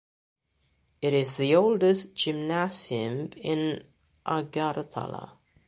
It is the oldest gymnasium in Agartala.